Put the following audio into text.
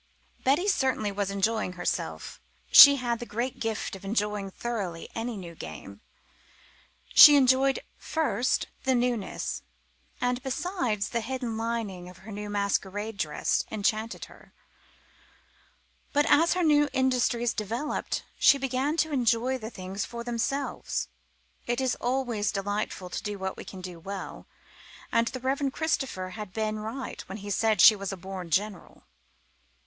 Betty certainly was enjoying herself. She had the great gift of enjoying thoroughly any new game. She enjoyed, first, the newness; and, besides, the hidden lining of her new masquerade dress enchanted her. But as her new industries developed she began to enjoy the things for themselves. It is always delightful to do what we can do well, and the Reverend Christopher had been right when he said she was a born general.